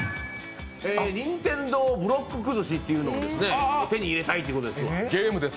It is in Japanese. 任天堂ブロック崩しを手に入れたいということですわ。